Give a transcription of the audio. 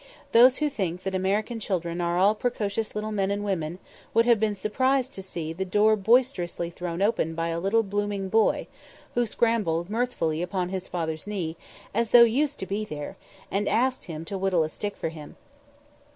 Those who think that American children are all precocious little men and women would have been surprised to see the door boisterously thrown open by a little blooming boy, who scrambled mirthfully upon his father's knee, as though used to be there, and asked him to whittle a stick for him.